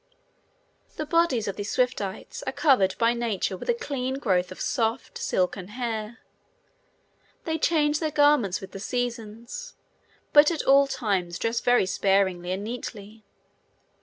The bodies of these Swiftites are covered by nature with a clean growth of soft, silken hair. They change their garments with the seasons, but at all times dress very sparingly and neatly.